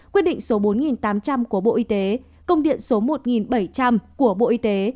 quyết định số bốn nghìn tám trăm linh của bộ y tế công điện số một nghìn bảy trăm linh của bộ y tế